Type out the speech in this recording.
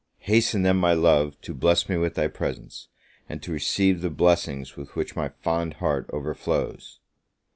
Hasten then, my love, to bless me with thy presence, and to receive the blessings with which my fond heart overflows!